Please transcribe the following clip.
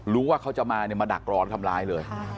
รู้ว่าเขาจะมาดักร้อนทำร้ายเลย